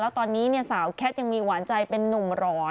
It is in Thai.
แล้วตอนนี้สาวแคทยังมีหวานใจเป็นนุ่มหลอน